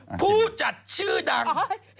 คืออะไรพูดจัดชื่อดังลักเก่ปิดเงียบ